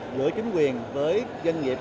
giữa chính quyền với doanh nghiệp